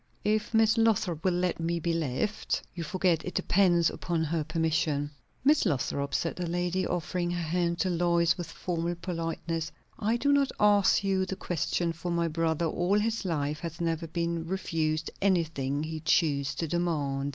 "If Miss Lothrop will let me be left. You forget, it depends upon her permission." "Miss Lothrop," said the lady, offering her hand to Lois with formal politeness, "I do not ask you the question, for my brother all his life has never been refused anything he chose to demand.